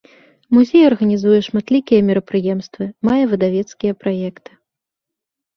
Музей арганізуе шматлікія мерапрыемствы, мае выдавецкія праекты.